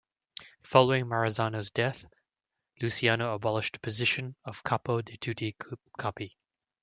Following Maranzano's death, Luciano abolished the position of capo di tutti capi.